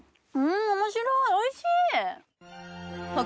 面白いおいしい！